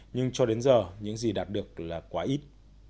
nhưng cho đến giờ những gì đã đạt được rất ít